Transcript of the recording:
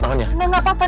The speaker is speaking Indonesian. enggak enggak enggak